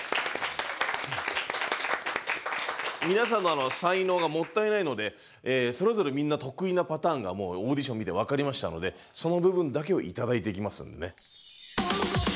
皆さんの才能がもったいないのでそれぞれみんな得意なパターンがもうオーディション見て分かりましたのでその部分だけを頂いていきますんでね。